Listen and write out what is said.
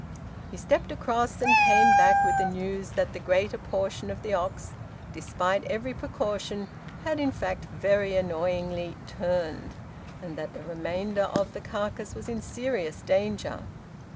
He stepped across, and came back with the news that the greater portion of the ox, despite every precaution, had in fact very annoyingly `turned,' and that the remainder of the carcass was in serious danger.